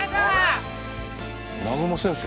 南雲先生